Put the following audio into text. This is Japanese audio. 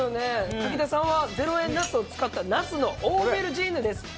武田さんは０円のナスを使ったオーベルジーヌです。